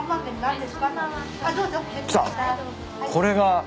これが。